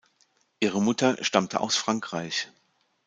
Ihre Mutter stammte aus Frankreich.